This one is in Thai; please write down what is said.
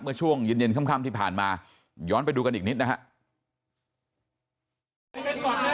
เมื่อช่วงเย็นค่ำที่ผ่านมาย้อนไปดูกันอีกนิดนะครับ